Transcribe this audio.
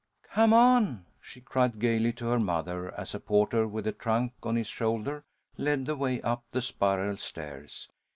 "Come on!" she cried, gaily, to her mother, as a porter with a trunk on his shoulder led the way up the spiral stairs.